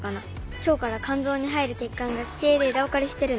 腸から肝臓に入る血管が奇形で枝分かれしてるの。